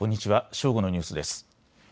正午のニュースです。